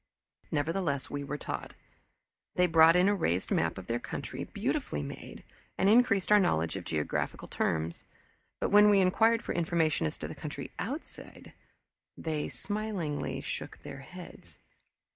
Nevertheless we were taught. They brought in a raised map of their country, beautifully made, and increased our knowledge of geographical terms; but when we inquired for information as to the country outside, they smilingly shook their heads.